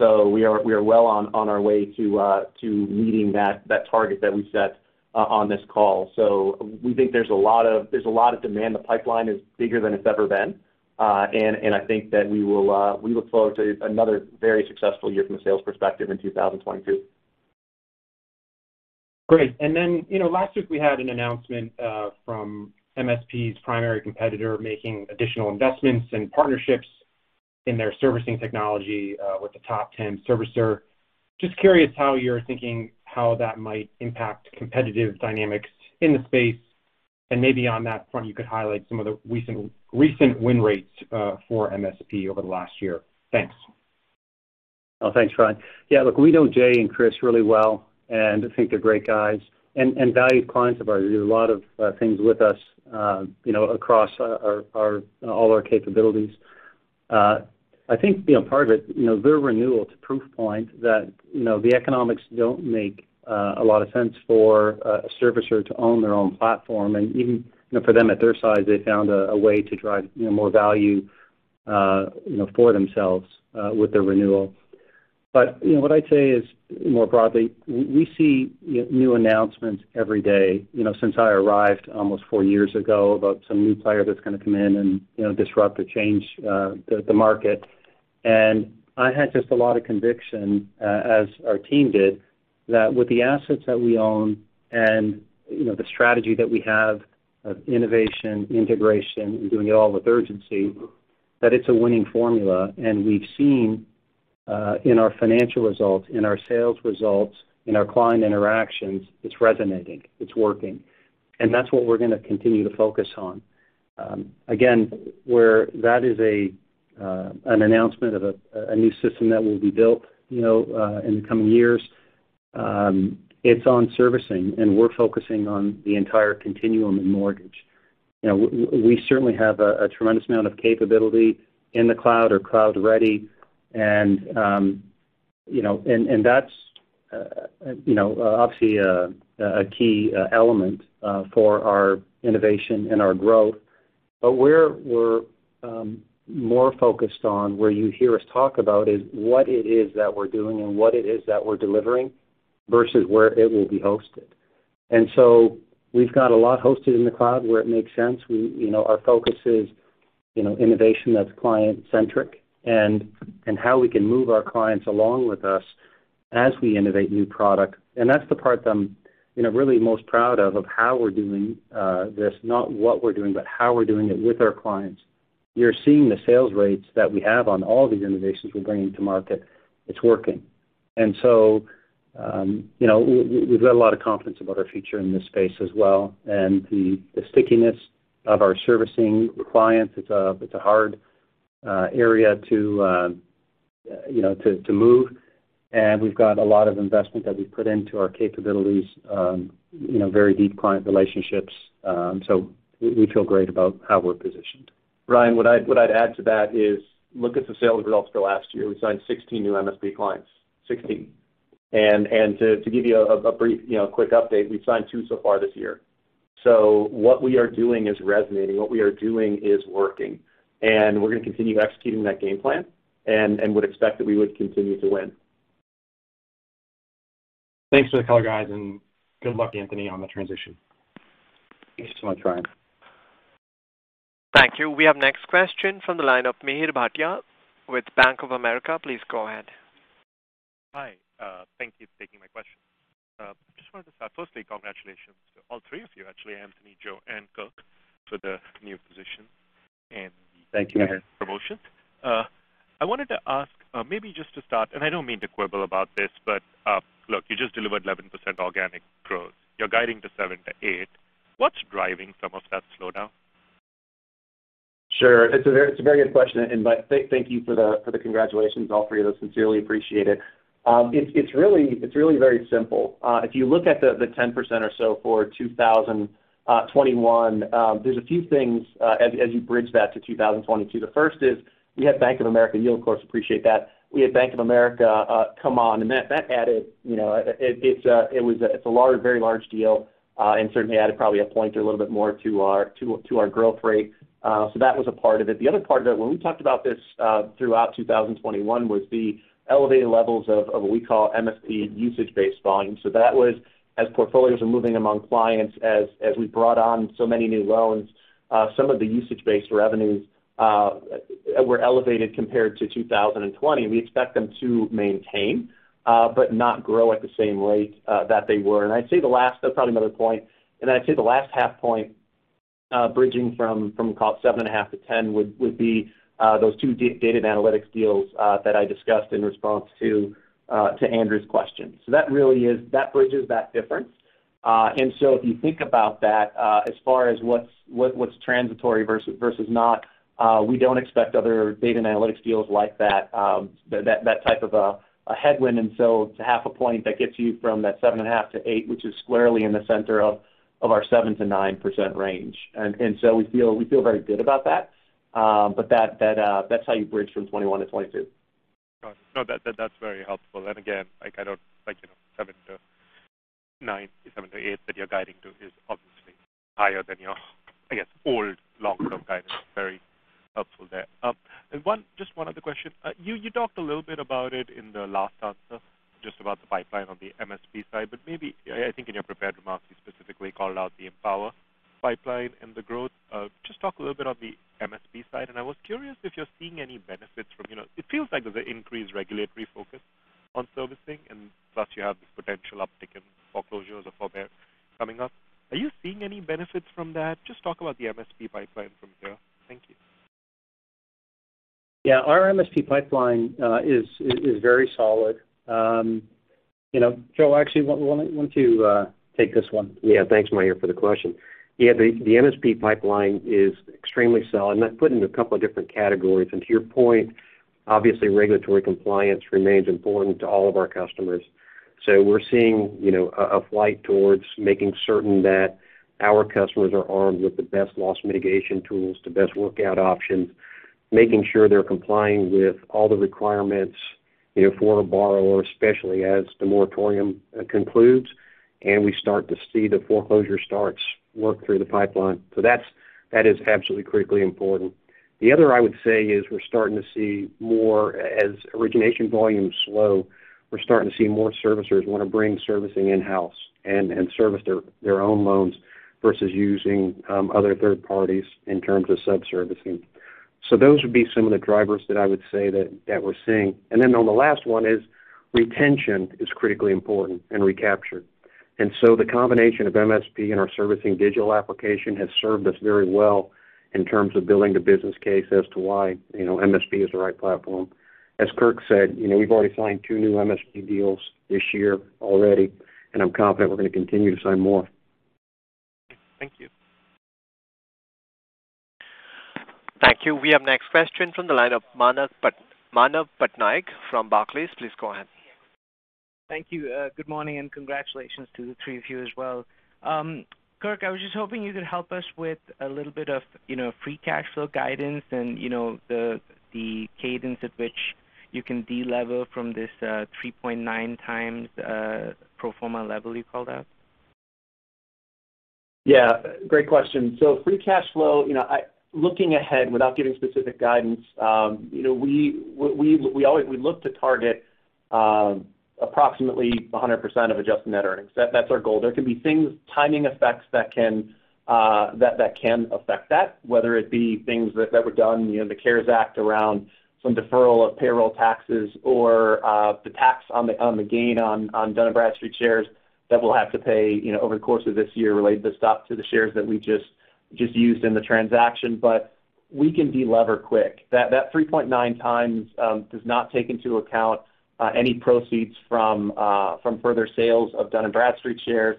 We are well on our way to meeting that target that we set on this call. We think there's a lot of demand. The pipeline is bigger than it's ever been. I think that we will look forward to another very successful year from a sales perspective in 2022. Great. Then, you know, last week, we had an announcement from MSP's primary competitor making additional investments and partnerships in their servicing technology with the top ten servicer. Just curious how you're thinking how that might impact competitive dynamics in the space. Maybe on that front, you could highlight some of the recent win rates for MSP over the last year. Thanks. Oh, thanks, Ryan. Yeah, look, we know Jay and Chris really well, and I think they're great guys and valued clients of ours. They did a lot of things with us, you know, across our you know all our capabilities. I think, you know, part of it, you know, their renewal is a proof point that, you know, the economics don't make a lot of sense for a servicer to own their own platform. Even, you know, for them at their size, they found a way to drive, you know, more value, you know, for themselves with their renewal. You know, what I'd say is more broadly, we see, you know, new announcements every day, you know, since I arrived almost four years ago, about some new player that's gonna come in and, you know, disrupt or change the market. I had just a lot of conviction as our team did, that with the assets that we own and, you know, the strategy that we have of innovation, integration, and doing it all with urgency, that it's a winning formula. We've seen in our financial results, in our sales results, in our client interactions, it's resonating, it's working. That's what we're gonna continue to focus on. Again, where that is an announcement of a new system that will be built, you know, in the coming years, it's on servicing, and we're focusing on the entire continuum of mortgage. You know, we certainly have a tremendous amount of capability in the cloud or cloud-ready. You know, and that's obviously a key element for our innovation and our growth. Where we're more focused on, where you hear us talk about, is what it is that we're doing and what it is that we're delivering versus where it will be hosted. We've got a lot hosted in the cloud where it makes sense. We, you know, our focus is, you know, innovation that's client-centric and how we can move our clients along with us as we innovate new product. That's the part that I'm, you know, really most proud of how we're doing this, not what we're doing, but how we're doing it with our clients. You're seeing the sales rates that we have on all these innovations we're bringing to market. It's working. We've got a lot of confidence about our future in this space as well. The stickiness of our servicing clients, it's a hard area to, you know, move. We've got a lot of investment that we've put into our capabilities, you know, very deep client relationships. We feel great about how we're positioned. Ryan, what I'd add to that is look at the sales results for the last year. We signed 16 new MSP clients. 16. To give you a brief, you know, quick update, we've signed two so far this year. What we are doing is resonating. What we are doing is working, and we're gonna continue executing that game plan and would expect that we would continue to win. Thanks for the color, guys, and good luck, Anthony, on the transition. Thanks so much, Ryan. Thank you. We have next question from the line of Mihir Bhatia with Bank of America. Please go ahead. Hi. Thank you for taking my question. Just wanted to start, firstly, congratulations to all three of you, actually, Anthony, Joe, and Kirk, for the new position and the. Thank you. I wanted to ask, maybe just to start, and I don't mean to quibble about this, but look, you just delivered 11% organic growth. You're guiding to 7%-8%. What's driving some of that slowdown? It's a very good question. Thank you for the congratulations, all three of us sincerely appreciate it. It's really very simple. If you look at the 10% or so for 2021, there's a few things as you bridge that to 2022. The first is we had Bank of America deal, of course, we appreciate that. We had Bank of America come on, and that added. It was a large, very large deal, and certainly added probably a point or a little bit more to our growth rate. That was a part of it. The other part of it, when we talked about this, throughout 2021, was the elevated levels of what we call MSP usage-based volume. That was as portfolios are moving among clients as we brought on so many new loans, some of the usage-based revenues were elevated compared to 2020. We expect them to maintain, but not grow at the same rate that they were. That's probably another point, and I'd say the last half point bridging from call it 7.5 to 10 would be those two data and analytics deals that I discussed in response to Andrew's question. That really is that bridges that difference. If you think about that, as far as what's transitory versus not, we don't expect other data and analytics deals like that type of a headwind. It's half a point that gets you from that 7.5 to eight, which is squarely in the center of our 7%-9% range. We feel very good about that. That's how you bridge from 2021 to 2022. Got it. No, that's very helpful. Again, like, you know, seven to nine to seven to eight that you're guiding to is obviously higher than your, I guess, old long-term guidance. Very helpful there. One other question. You talked a little bit about it in the last answer, just about the pipeline on the MSP side. Maybe, I think in your prepared remarks, you specifically called out the Empower pipeline and the growth. Just talk a little bit on the MSP side. I was curious if you're seeing any benefits from, you know, it feels like there's an increased regulatory focus on servicing, and plus you have this potential uptick in foreclosures or forbearance coming up. Are you seeing any benefits from that? Just talk about the MSP pipeline from here. Thank you. Yeah. Our MSP pipeline is very solid. You know, Joe, actually why don't you take this one? Yeah. Thanks, Mihir, for the question. Yeah, the MSP pipeline is extremely solid, and I'd put it into a couple of different categories. To your point, obviously regulatory compliance remains important to all of our customers. We're seeing, you know, a flight towards making certain that our customers are armed with the best loss mitigation tools, the best workout options, making sure they're complying with all the requirements, you know, for a borrower, especially as the moratorium concludes, and we start to see the foreclosure starts work through the pipeline. That is absolutely critically important. The other, I would say, is we're starting to see more as origination volumes slow, we're starting to see more servicers want to bring servicing in-house and service their own loans versus using other third parties in terms of sub-servicing. Those would be some of the drivers that I would say, that we're seeing. Then on the last one, retention is critically important and recapture. The combination of MSP and our Servicing Digital application has served us very well in terms of building the business case as to why, you know, MSP is the right platform. As Kirk said, you know, we've already signed 2 new MSP deals this year already, and I'm confident we're going to continue to sign more. Thank you. Thank you. We have next question from the line of Manav Patnaik from Barclays. Please go ahead. Thank you. Good morning, and congratulations to the three of you as well. Kirk, I was just hoping you could help us with a little bit of, you know, free cash flow guidance and, you know, the cadence at which you can delever from this 3.9 times pro forma level you called out. Yeah, great question. Free cash flow, you know, looking ahead, without giving specific guidance, you know, we look to target approximately 100% of adjusted net earnings. That's our goal. There can be things, timing effects that can affect that, whether it be things that were done, you know, in the CARES Act around some deferral of payroll taxes or the tax on the gain on Dun & Bradstreet shares that we'll have to pay, you know, over the course of this year related to stock to the shares that we just used in the transaction. We can delever quick. That 3.9 times does not take into account any proceeds from further sales of Dun & Bradstreet shares.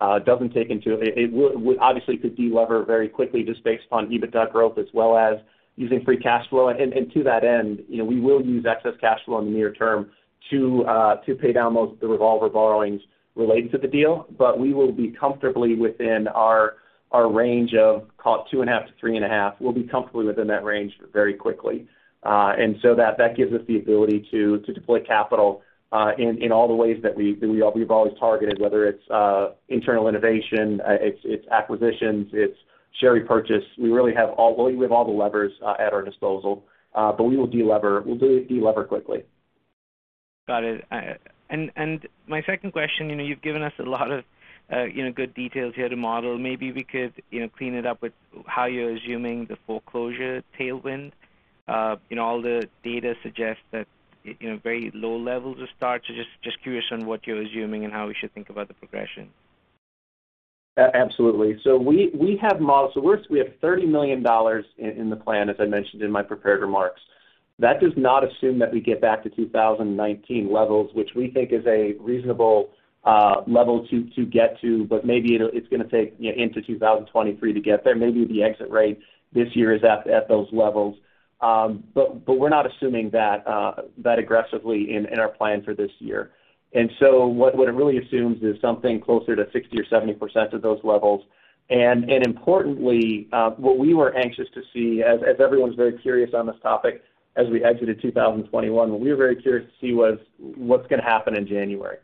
We obviously could delever very quickly just based on EBITDA growth as well as using free cash flow. To that end, you know, we will use excess cash flow in the near term to pay down most of the revolver borrowings related to the deal. We will be comfortably within our range of call it 2.5-3.5. We'll be comfortably within that range very quickly. That gives us the ability to deploy capital in all the ways that we've always targeted, whether it's internal innovation, it's acquisitions, it's share repurchase. We really have all the levers at our disposal. We will delever. We'll delever quickly. Got it. My second question, you know, you've given us a lot of, you know, good details here to model. Maybe we could, you know, clean it up with how you're assuming the foreclosure tailwind. You know, all the data suggests that, you know, very low levels of starts. Just curious on what you're assuming and how we should think about the progression. Absolutely. We have models. We have $30 million in the plan, as I mentioned in my prepared remarks. That does not assume that we get back to 2019 levels, which we think is a reasonable level to get to, but maybe it'll take, you know, into 2023 to get there. Maybe the exit rate this year is at those levels. We're not assuming that aggressively in our plan for this year. What it really assumes is something closer to 60% or 70% of those levels. Importantly, what we were anxious to see as everyone's very curious on this topic as we exited 2021, what we were very curious to see was what's gonna happen in January.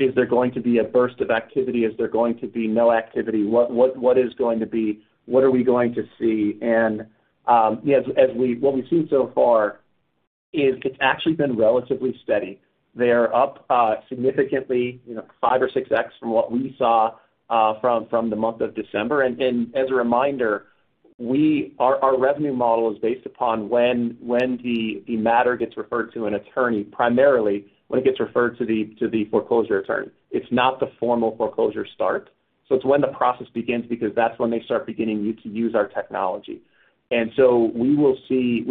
Is there going to be a burst of activity? Is there going to be no activity? What is going to be? What are we going to see? You know, what we've seen so far is it's actually been relatively steady. They're up significantly, you know, 5X or 6X from what we saw from the month of December. As a reminder, our revenue model is based upon when the matter gets referred to an attorney, primarily when it gets referred to the foreclosure attorney. It's not the formal foreclosure start. It's when the process begins because that's when they start beginning to use our technology. We will see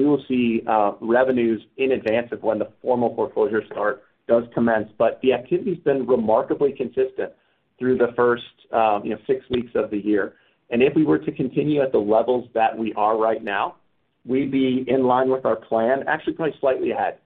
revenues in advance of when the formal foreclosure start does commence. The activity's been remarkably consistent through the first, you know, six weeks of the year. If we were to continue at the levels that we are right now, we'd be in line with our plan, actually probably slightly ahead.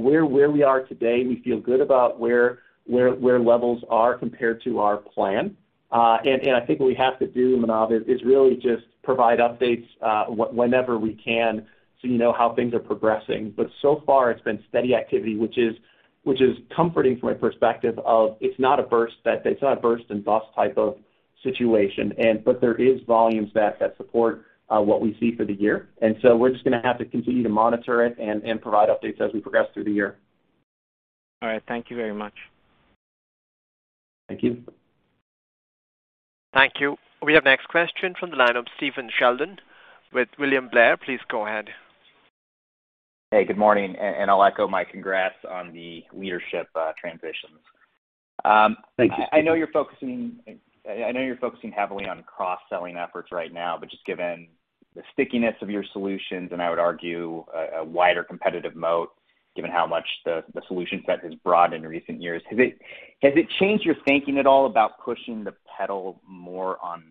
We're where we are today, and we feel good about where levels are compared to our plan. I think what we have to do, Manav, is really just provide updates, whenever we can, so you know how things are progressing. So far it's been steady activity, which is comforting from a perspective of it's not a burst and bust type of situation. There is volumes that support what we see for the year. We're just gonna have to continue to monitor it and provide updates as we progress through the year. All right. Thank you very much. Thank you. Thank you. We have the next question from the line of Stephen Sheldon with William Blair. Please go ahead. Hey, good morning. I'll echo my congrats on the leadership transitions. Thank you. I know you're focusing heavily on cross-selling efforts right now, but just given the stickiness of your solutions, and I would argue a wider competitive moat, given how much the solution set has broadened in recent years, has it changed your thinking at all about pushing the pedal more on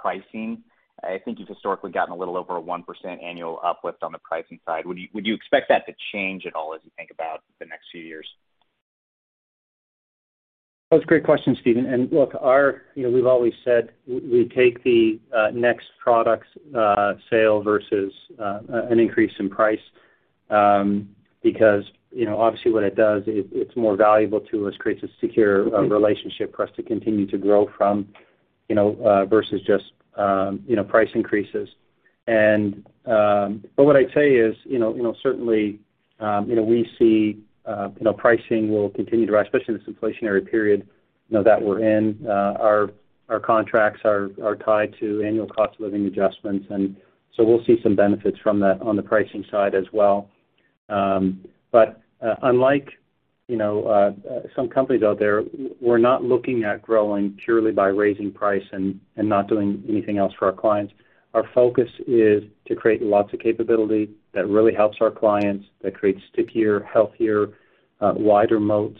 pricing? I think you've historically gotten a little over 1% annual uplift on the pricing side. Would you expect that to change at all as you think about the next few years? Well, it's a great question, Steven. Look, you know, we've always said we take the next product's sale versus an increase in price, because you know, obviously what it does is it's more valuable to us, creates a secure relationship for us to continue to grow from, you know, versus just you know, price increases. What I'd say is, you know, certainly, we see you know, pricing will continue to rise, especially in this inflationary period, you know, that we're in. Our contracts are tied to annual cost of living adjustments, and so we'll see some benefits from that on the pricing side as well. Unlike, you know, some companies out there, we're not looking at growing purely by raising price and not doing anything else for our clients. Our focus is to create lots of capability that really helps our clients, that creates stickier, healthier, wider moats,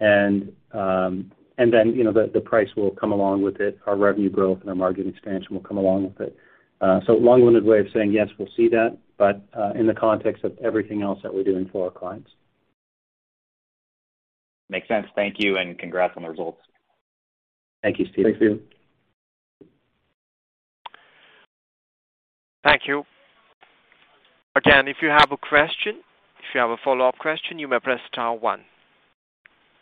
and then, you know, the price will come along with it. Our revenue growth and our margin expansion will come along with it. Long-winded way of saying, yes, we'll see that, but in the context of everything else that we're doing for our clients. Makes sense. Thank you, and congrats on the results. Thank you, Stephen. Thanks, Stephen. Thank you. Again, if you have a question, if you have a follow-up question, you may press star one.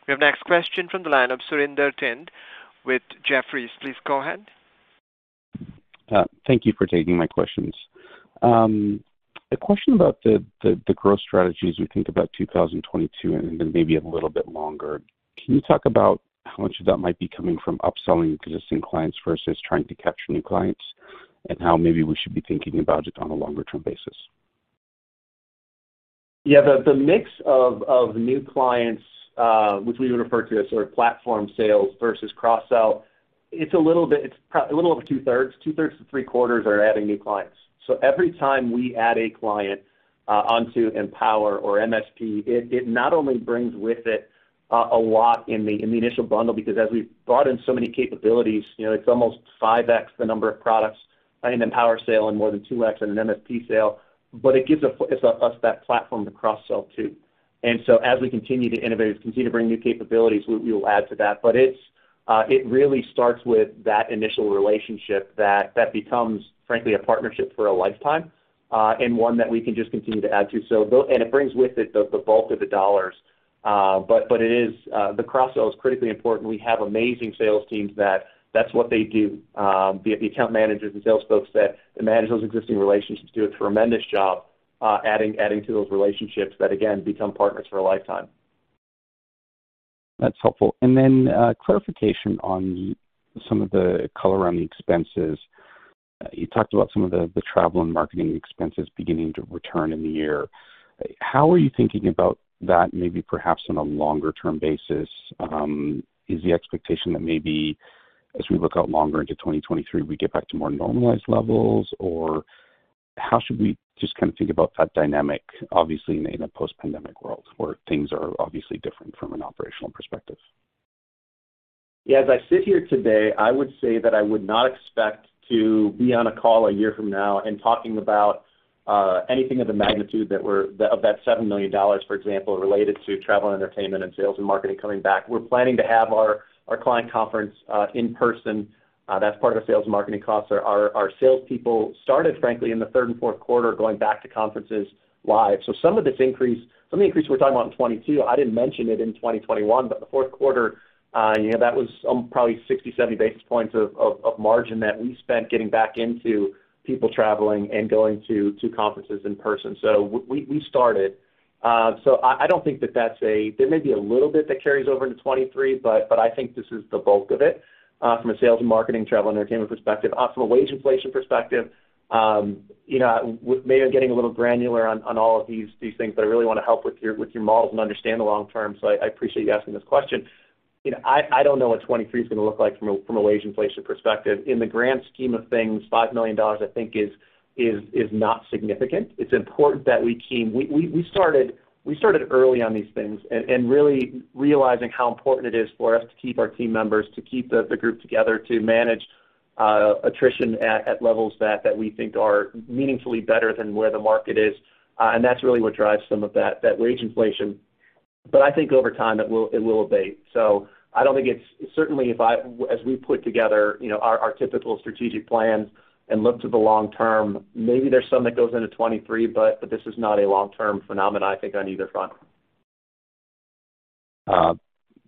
We have next question from the line of Surinder Thind with Jefferies. Please go ahead. Thank you for taking my questions. A question about the growth strategies we think about 2022 and then maybe a little bit longer. Can you talk about how much of that might be coming from upselling existing clients versus trying to capture new clients, and how maybe we should be thinking about it on a longer term basis? Yeah. The mix of new clients, which we would refer to as sort of platform sales versus cross-sell, it's a little over two-thirds. Two-thirds to three-quarters are adding new clients. Every time we add a client onto Empower or MSP, it not only brings with it a lot in the initial bundle, because as we've brought in so many capabilities, you know, it's almost 5x the number of products in an Empower sale and more than 2x in an MSP sale. It gives us that platform to cross-sell to. As we continue to innovate, as we continue to bring new capabilities, we will add to that. It really starts with that initial relationship that becomes, frankly, a partnership for a lifetime, and one that we can just continue to add to. It brings with it the bulk of the dollars, but it is, the cross-sell is critically important. We have amazing sales teams that's what they do. The account managers and sales folks that manage those existing relationships do a tremendous job, adding to those relationships that, again, become partners for a lifetime. That's helpful. Clarification on some of the color around the expenses. You talked about some of the travel and marketing expenses beginning to return in the year. How are you thinking about that maybe perhaps on a longer-term basis? Is the expectation that maybe as we look out longer into 2023, we get back to more normalized levels? Or how should we just kind of think about that dynamic, obviously in a post-pandemic world where things are obviously different from an operational perspective? Yeah, as I sit here today, I would say that I would not expect to be on a call a year from now and talking about anything of the magnitude of that $7 million, for example, related to travel and entertainment and sales and marketing coming back. We're planning to have our client conference in person. That's part of sales and marketing costs. Our salespeople started, frankly, in the third and fourth quarter, going back to conferences live. So some of this increase, some of the increase we're talking about in 2022. I didn't mention it in 2021, but the fourth quarter, you know, that was probably 60-70 basis points of margin that we spent getting back into people traveling and going to conferences in person. So we started. I don't think that there may be a little bit that carries over into 2023, but I think this is the bulk of it, from a sales and marketing travel entertainment perspective. From a wage inflation perspective, you know, maybe I'm getting a little granular on all of these things, but I really wanna help with your models and understand the long term. I don't know what 2023 is gonna look like from a wage inflation perspective. In the grand scheme of things, $5 million, I think is not significant. It's important that we keep. We started early on these things and really realizing how important it is for us to keep our team members, to keep the group together, to manage attrition at levels that we think are meaningfully better than where the market is. That's really what drives some of that wage inflation. I think over time, it will abate. I don't think it's certainly, as we put together, you know, our typical strategic plans and look to the long term, maybe there's some that goes into 2023, but this is not a long-term phenomenon, I think, on either front.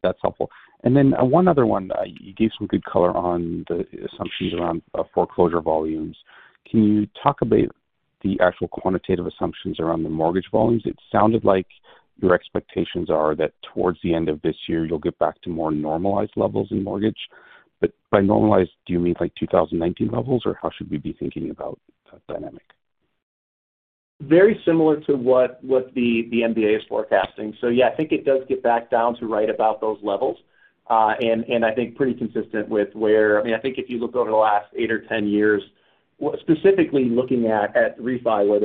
That's helpful. One other one. You gave some good color on the assumptions around foreclosure volumes. Can you talk about the actual quantitative assumptions around the mortgage volumes? It sounded like your expectations are that towards the end of this year, you'll get back to more normalized levels in mortgage. By normalized, do you mean like 2019 levels, or how should we be thinking about that dynamic? Very similar to what the MBA is forecasting. Yeah, I think it does get back down to right about those levels. I think pretty consistent with where, I mean, I think if you look over the last eight or 10 years, specifically looking at refi, where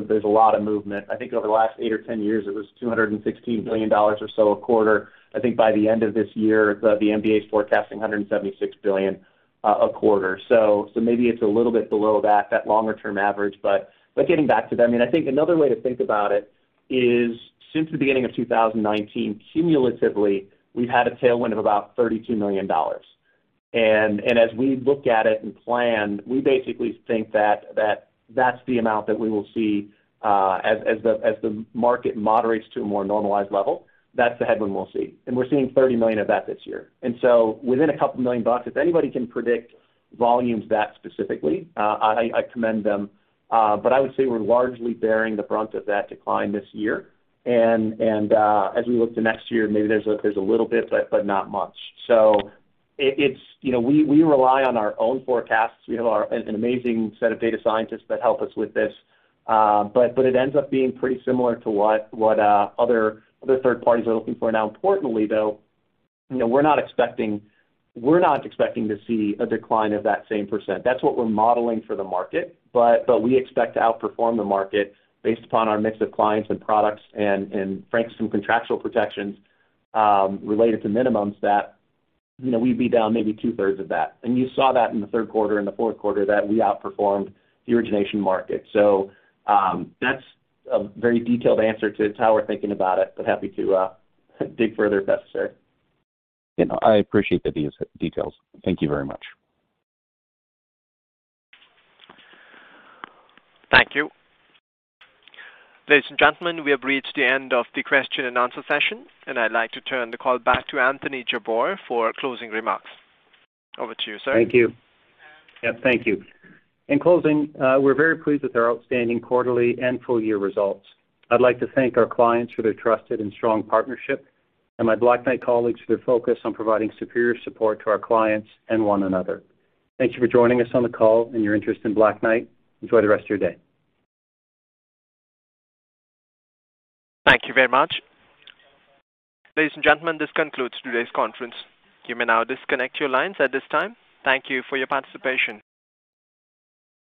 there's a lot of movement. I think over the last eight or 10 years, it was $216 billion or so a quarter. I think by the end of this year, the MBA is forecasting $176 billion a quarter. Maybe it's a little bit below that longer-term average. Getting back to that, I mean, I think another way to think about it is since the beginning of 2019, cumulatively, we've had a tailwind of about $32 million. As we look at it and plan, we basically think that that's the amount that we will see, as the market moderates to a more normalized level. That's the headwind we'll see. We're seeing $30 million of that this year. Within a couple million bucks, if anybody can predict volumes that specifically, I commend them. I would say we're largely bearing the brunt of that decline this year. As we look to next year, maybe there's a little bit, but not much. It's, you know, we rely on our own forecasts. We have an amazing set of data scientists that help us with this. It ends up being pretty similar to what other third parties are looking for. Now, importantly, though, you know, we're not expecting to see a decline of that same percent. That's what we're modeling for the market. We expect to outperform the market based upon our mix of clients and products and frankly, some contractual protections related to minimums that, you know, we'd be down maybe two-thirds of that. You saw that in the third quarter and the fourth quarter that we outperformed the origination market. That's a very detailed answer to, it's how we're thinking about it, but happy to dig further if necessary. You know, I appreciate the details. Thank you very much. Thank you. Ladies and gentlemen, we have reached the end of the question and answer session, and I'd like to turn the call back to Anthony Jabbour for closing remarks. Over to you, sir. Thank you. Yeah, thank you. In closing, we're very pleased with our outstanding quarterly and full year results. I'd like to thank our clients for their trusted and strong partnership and my Black Knight colleagues for their focus on providing superior support to our clients and one another. Thank you for joining us on the call and your interest in Black Knight. Enjoy the rest of your day. Thank you very much. Ladies and gentlemen, this concludes today's conference. You may now disconnect your lines at this time. Thank you for your participation.